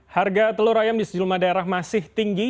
harga telur ayam di sejumlah daerah masih tinggi